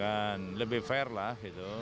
menindakan lebih fair lah gitu